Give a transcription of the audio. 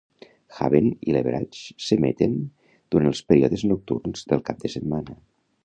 "Haven" i "Leverage" s'emeten durant els períodes nocturns del cap de setmana.